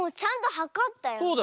はかったよね。